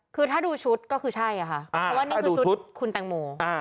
คือถ้าดูชุดก็คือใช่ค่ะเพราะว่านี่คือชุดคุณแตงโม